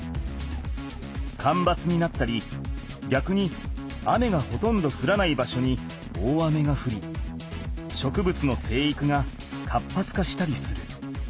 かんばつになったりぎゃくに雨がほとんどふらない場所に大雨がふり植物の生育が活発化したりする。